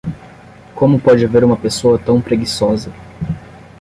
Como pode haver uma pessoa tão preguiçosa?